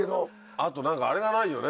あと何かあれがないよね